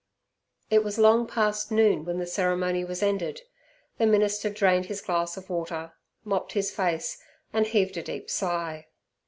It was long past noon when the ceremony was ended. The minister drained his glass of water, mopped his face, and heaved a deep sigh.